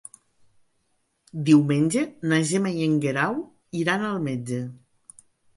Diumenge na Gemma i en Guerau iran al metge.